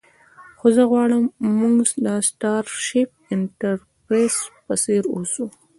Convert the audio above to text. خو زه غواړم موږ د سټارشیپ انټرپریز په څیر اوسو